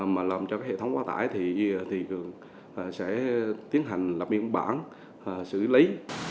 mà làm cho cái hệ thống quá tải thì sẽ tiến hành lập biên bản xử lý